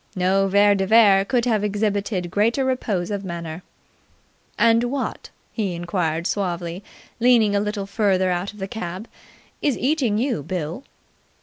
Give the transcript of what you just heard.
No Vere de Vere could have exhibited greater repose of manner. "And what," he inquired suavely, leaning a little further out of the cab, "is eating you, Bill?"